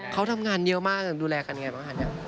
เขาทำงานเยอะมากดูแลกันอย่างไรบ้างฮะ